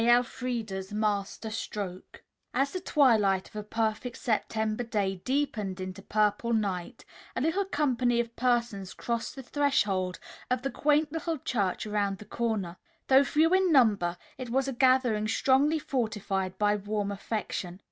ELFREDA'S MASTER STROKE As the twilight of a perfect September day deepened into purple night, a little company of persons crossed the threshold of the quaint Little Church Around the Corner. Though few in number it was a gathering strongly fortified by warm affection.